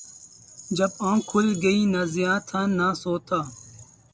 جب آنکھ کھل گئی، نہ زیاں تھا نہ سود تھا